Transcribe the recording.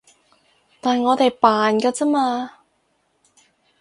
但我哋扮㗎咋嘛